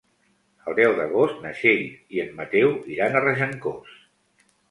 El deu d'agost na Txell i en Mateu iran a Regencós.